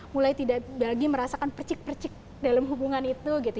mulai tidak lagi merasakan percik percik dalam hubungan itu gitu